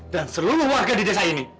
dan seluruh warga di desa ini